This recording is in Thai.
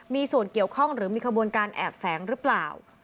มีส่วนเกี่ยวข้องหรือมีขบวนการแอบแฝงหรือเปล่า